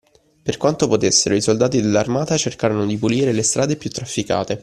Per quanto potessero, i soldati dell’armata cercarono di pulire le strade più trafficate